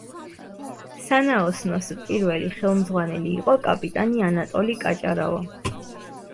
სანაოსნოს პირველი ხელმძღვანელი იყო კაპიტანი ანატოლი კაჭარავა.